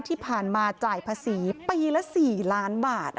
ที่ผ่านมาจ่ายภาษีปีละ๔ล้านบาท